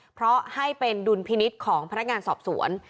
เพราะให้เป็นดุลพินิษฐ์ของพนักงานสอบสวน